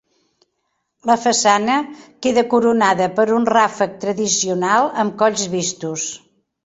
La façana queda coronada per un ràfec tradicional amb colls vistos.